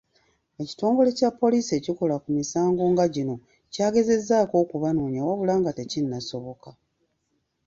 Ekitongole kya Poliisi ekikola ku misango nga gino kyagezezzaako okubanoonya wabula nga tekinnasoboka.